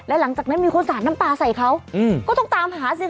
และหลังจากนั้นมีคนสาดน้ำปลาใส่เขาก็ต้องตามหาสิ